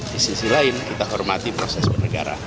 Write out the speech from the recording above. di sisi lain kita hormati proses bernegara